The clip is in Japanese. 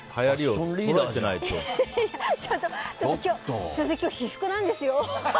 ちょっと、今日私服なんですよ。